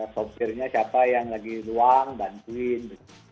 sopirnya siapa yang lagi ruang bantuin